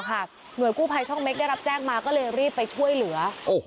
หน่วยกู้ภัยช่องเม็กได้รับแจ้งมาก็เลยรีบไปช่วยเหลือ